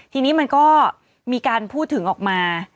ทีนี้มันก็มีการพูดถึงออกมา